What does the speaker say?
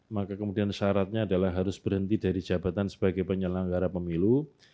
maka kemudian syaratnya adalah harus berhenti dari jabatan sebagai penyelenggara pemilu